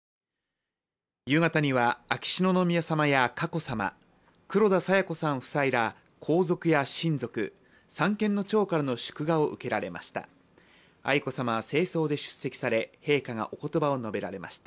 夕方には秋篠宮さまや佳子さま黒田清子さん夫妻ら皇族や親族、三権の長からの祝賀を受けられました。